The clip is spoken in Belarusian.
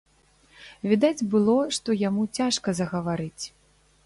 Відаць было, што яму цяжка загаварыць.